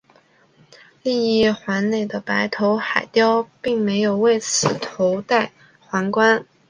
另一个环内的白头海雕并没有为此头戴皇冠。